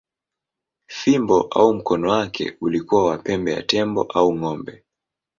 Fimbo au mkono wake ulikuwa wa pembe ya tembo au ng’ombe.